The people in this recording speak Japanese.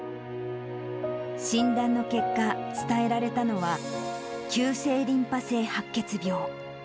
診断の結果、伝えられたのは、急性リンパ性白血病。